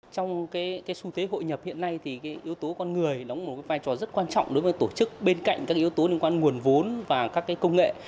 trong xu thế hội nhập hiện nay thì yếu tố con người đóng một vai trò rất quan trọng đối với tổ chức bên cạnh các yếu tố liên quan nguồn vốn và các công nghệ